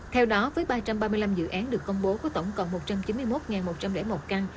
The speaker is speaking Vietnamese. theo đó với ba trăm ba mươi năm dự án được công bố có tổng cộng một trăm chín mươi một một trăm linh một căn